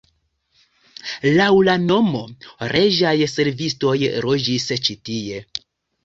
Laŭ la nomo reĝaj servistoj loĝis tie.